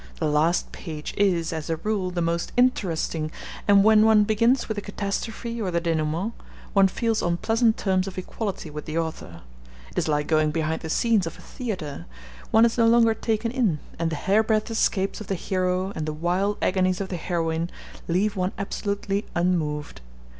The last page is, as a rule, the most interesting, and when one begins with the catastrophe or the denoument one feels on pleasant terms of equality with the author. It is like going behind the scenes of a theatre. One is no longer taken in, and the hairbreadth escapes of the hero and the wild agonies of the heroine leave one absolutely unmoved.